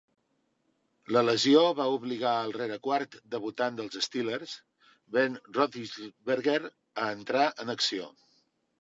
La lesió va obligar al rerequart debutant dels Steelers, Ben Roethlisberger,a entrar en acció.